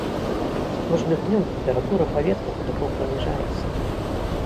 З кожным днём тэмпература паветра крыху паніжаецца.